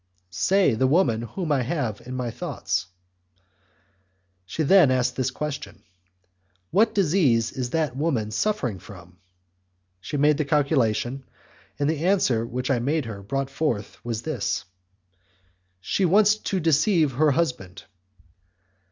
"Say the woman whom I have in my thoughts." She then asked this question: "What disease is that woman suffering from?" She made the calculation, and the answer which I made her bring forth was this: "She wants to deceive her husband."